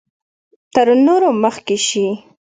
تر نورو مخکې شي.